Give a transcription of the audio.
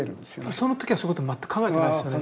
その時はそういうこと全く考えてないですよね。